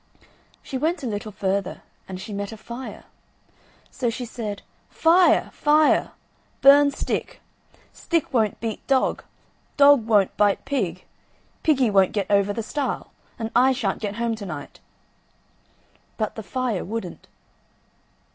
She went a little further, and she met a fire. So she said: "Fire! fire! burn stick; stick won't beat dog; dog won't bite pig; piggy won't get over the stile; and I shan't get home to night." But the fire wouldn't.